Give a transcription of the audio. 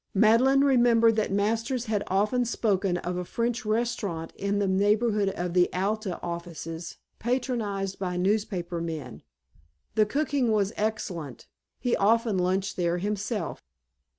Madeleine remembered that Masters had often spoken of a French restaurant in the neighborhood of the Alta offices, patronized by newspaper men. The cooking was excellent. He often lunched there himself.